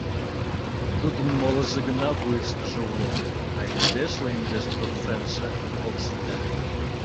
Тудын молыжо гына вуйыштыжо уло, а индешле индеш процентше ок сите.